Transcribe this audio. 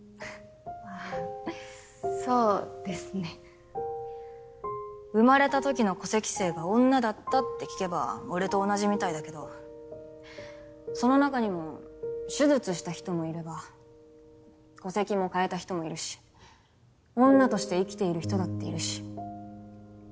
あぁそうですね。生まれたときの戸籍性が女だったって聞けば俺と同じみたいだけどその中にも手術した人もいれば戸籍も変えた人もいるし女として生きている人だっているし。